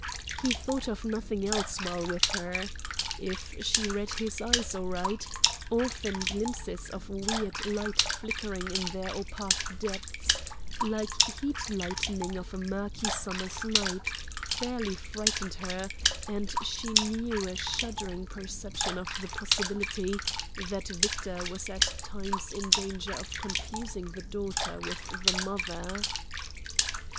He thought of nothing else while with her; if she read his eyes aright, often glimpses of weird light flickering in their opaque depths, like heat lightning of a murky summer's night, fairly frightened her, and she knew a shuddering perception of the possibility that Victor was at times in danger of confusing the daughter with the mother.